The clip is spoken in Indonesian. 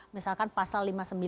misalkan pasal lima puluh sembilan